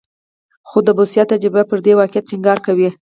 خو د بوسیا تجربه پر دې واقعیت ټینګار کوي.